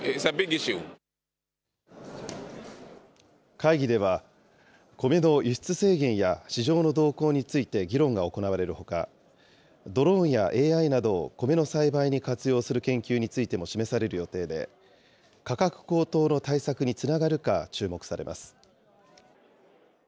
会議では、コメの輸出制限や市場の動向について議論が行われるほか、ドローンやＡＩなどをコメの栽培に活用する研究についても示される予定で、価格高騰の対策につながるか注目されます。